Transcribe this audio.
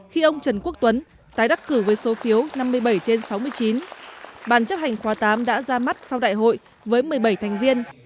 khi ông trần quốc tuấn tái đắc cử với số phiếu năm mươi bảy trên sáu mươi chín bàn chấp hành khóa tám đã ra mắt sau đại hội với một mươi bảy thành viên